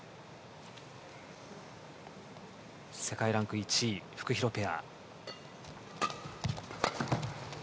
世界ランク１位フクヒロペア。